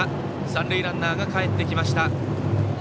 三塁ランナー、かえってきました。